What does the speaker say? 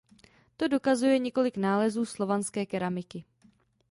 To dokazuje několik nálezů slovanské keramiky.